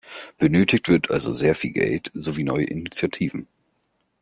Benötigt wird also sehr viel Geld sowie neue Initiativen.